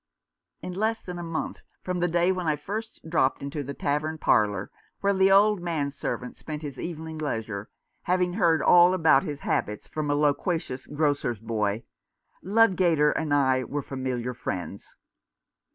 In less than a month from the day when I first dropped into the tavern parlour, where the old man servant spent his evening leisure — having heard all about 234 Mr. Faunce's Refiort continued. his habits from a loquacious grocer's boy — Ludgater and I were familiar friends.